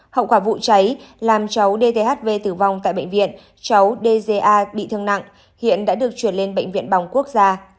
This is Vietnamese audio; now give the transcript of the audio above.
hậu quả vụ cháy làm cháu dthv tử vong tại bệnh viện cháu dza bị thương nặng hiện đã được chuyển lên bệnh viện bỏng quốc gia